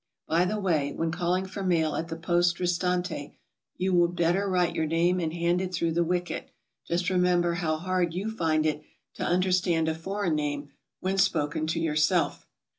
By the way, when calling for mail at the Poste Restante, you would better write your name and hand it in through the wicket. Just remember how hard you find it to understand a foreign name when spoken to yourself.